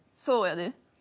そうやで。